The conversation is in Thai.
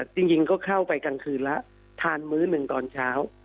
จริงก็เข้าไปกลางคืนแล้วทานมื้อหนึ่งตอนเช้า